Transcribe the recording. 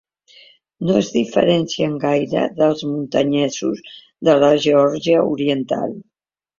No es diferencien gaire dels muntanyesos de la Geòrgia oriental.